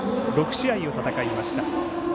６試合を戦いました。